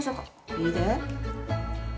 いいで。